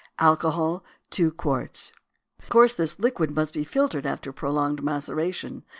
Alcohol 2 qts. Of course, this liquid must be filtered after prolonged maceration.